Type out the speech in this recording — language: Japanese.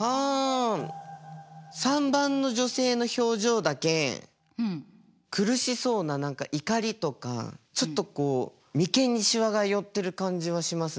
あ３番の女性の表情だけ苦しそうな何か怒りとかちょっとこう眉間にしわが寄ってる感じはしますね。